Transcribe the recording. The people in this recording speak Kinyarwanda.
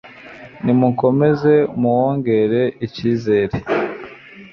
nimukomeze muwongere icyizere